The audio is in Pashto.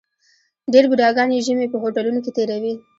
ډېر بوډاګان یې ژمی په هوټلونو کې تېروي.